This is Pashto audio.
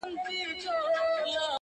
یوه سړي خو په یوه ټلیفوني رپوټ کي -